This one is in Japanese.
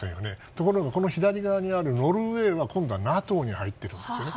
ところが、左側にあるノルウェーはＮＡＴＯに入ってるんですね。